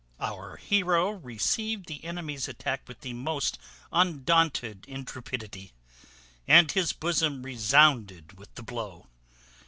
Our heroe received the enemy's attack with the most undaunted intrepidity, and his bosom resounded with the blow.